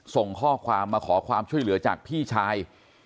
ส่งข้อความมาขอความช่วยเหลือจากพี่ชาย